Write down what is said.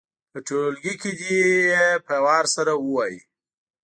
په ټولګي کې دې یې په وار سره ووايي.